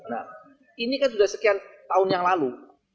nah ini kan sudah sekian tahun yang lalu